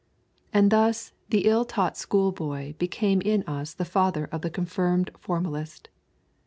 And thus the ill taught schoolboy became in us the father of the confirmed formalist.